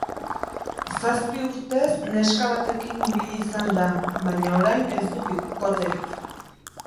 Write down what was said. Zazpi urtez neska batekin ibili izan da, baina orain ez du bikoterik.